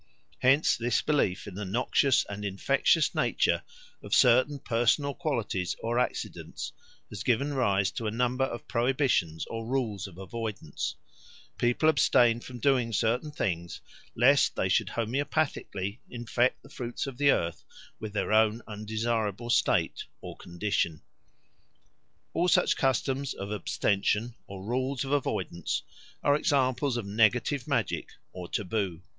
Hence this belief in the noxious and infectious nature of certain personal qualities or accidents has given rise to a number of prohibitions or rules of avoidance: people abstain from doing certain things lest they should homoeopathically infect the fruits of the earth with their own undesirable state or condition. All such customs of abstention or rules of avoidance are examples of negative magic or taboo.